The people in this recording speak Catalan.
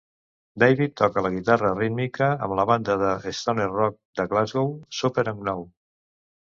David toca la guitarra rítmica amb la banda de stoner rock de Glasgow Superunknown.